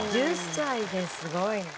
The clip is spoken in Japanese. １０歳ですごいね。